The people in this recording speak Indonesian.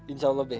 insya allah be